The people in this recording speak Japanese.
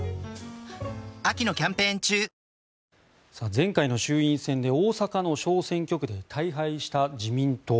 前回の衆院選で大阪の小選挙区で大敗した自民党。